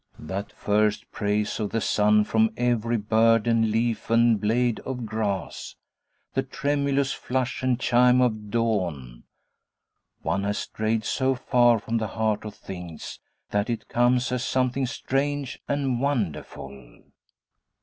That first praise of the sun from every bird and leaf and blade of grass, the tremulous flush and chime of dawn! One has strayed so far from the heart of things, that it comes as something strange and wonderful!